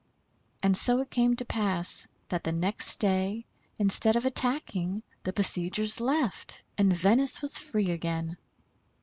And so it came to pass that the next day, instead of attacking, the besiegers left, and Venice was free again.